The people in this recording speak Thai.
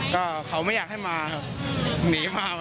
ก็เขาไม่อยากให้มาในวันนั้นน่ะ